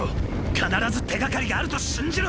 必ず手がかりがあると信じろ！！